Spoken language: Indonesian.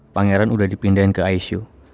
pangeran sudah dipindahin ke icu